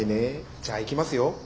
じゃあいきますよ。